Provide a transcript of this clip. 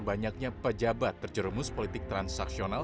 banyaknya pejabat terjerumus politik transaksional